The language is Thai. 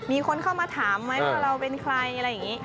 ต้องมาถามไหมว่าเราเป็นใครอะไรอย่างนี้